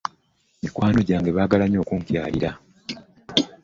Mikwano gyange baagala nnyo okunkyalira.